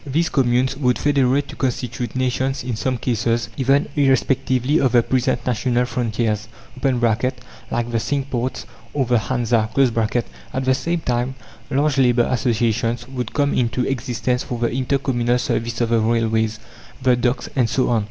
These communes would federate to constitute nations in some cases, even irrespectively of the present national frontiers (like the Cinque Ports, or the Hansa). At the same time large labour associations would come into existence for the inter communal service of the railways, the docks, and so on.